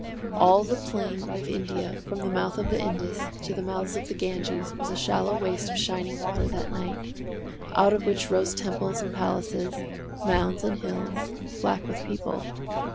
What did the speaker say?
All the plain of India from the mouth of the Indus to the mouths of the Ganges was a shallow waste of shining water that night, out of which rose temples and palaces, mounds and hills, black with people.